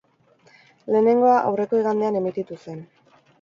Lehenengoa aurreko igandean emititu zen.